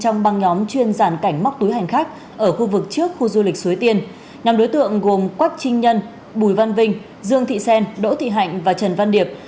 trong băng nhóm chuyên giàn cảnh móc túi hành khách ở khu vực trước khu du lịch suối tiên nhóm đối tượng gồm quách trinh nhân bùi văn vinh dương thị xen đỗ thị hạnh và trần văn điệp